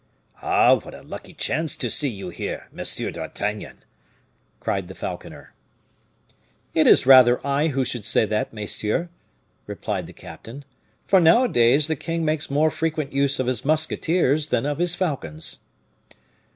"Ah! what a lucky chance to see you here, Monsieur d'Artagnan!" cried the falconer. "It is rather I who should say that, messieurs," replied the captain, "for nowadays, the king makes more frequent use of his musketeers than of his falcons."